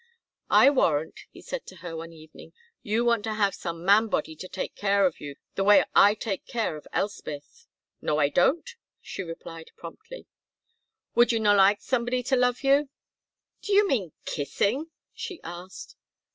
"I warrant," he said to her one evening, "you want to have some man body to take care of you the way I take care of Elspeth." "No, I don't," she replied, promptly. "Would you no like somebody to love you?" "Do you mean kissing?" she asked.